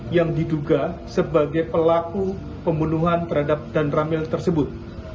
yang diduga sebagai pelaku pembunuhan terhadap dan ramil tersebut